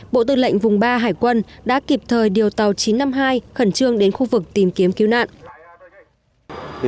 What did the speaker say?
bộ tư lệnh vùng ba hải quân đã kịp thời điều tàu chín trăm năm mươi hai khẩn trương đến khu vực tìm kiếm cứu nạn